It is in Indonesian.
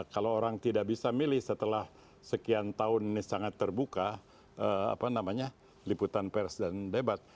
kalau orang tidak bisa milih setelah sekian tahun ini sangat terbuka liputan pers dan debat